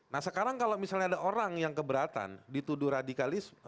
nah sekarang kalau misalnya ada orang yang keberatan dituduh radikalisme